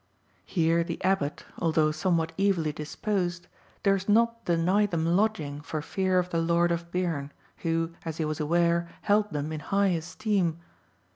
Here the Abbot, although somewhat evilly disposed, durst not deny them lodging for fear of the Lord of Beam,(9) who, as he was aware, held them in high esteem.